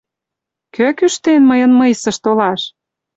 Кӧ кӱштен мыйын мыйсыш толаш?